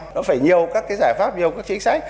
nó phải nhiều các cái giải pháp nhiều các chính sách